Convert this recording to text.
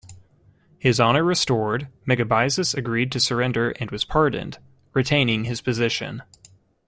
His honour restored, Megabyzus agreed to surrender and was pardoned, retaining his position.